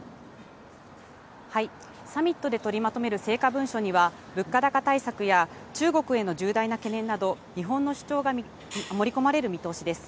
サミットで取りまとめる成果文書には、物価高対策や中国への重大な懸念など、日本の主張が盛り込まれる見通しです。